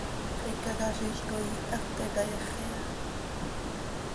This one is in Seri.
¿Xicaquiziil coi iihax pte cayáxiya?